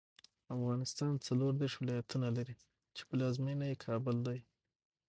افغانستان څلوردېرش ولایتونه لري، چې پلازمېنه یې کابل دی.